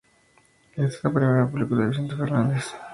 Esta es la primera película de Vicente Fernández.